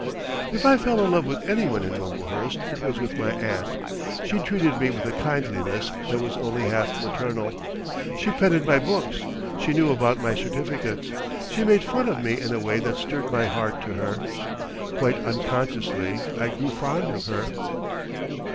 If I fell in love with any one in Wimblehurst it was with my aunt. She treated me with a kindliness that was only half maternal—she petted my books, she knew about my certificates, she made fun of me in a way that stirred my heart to her. Quite unconsciously I grew fond of her....